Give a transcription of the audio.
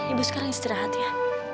ibu sekarang istirahat ya